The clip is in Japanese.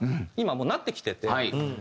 今もうなってきてて。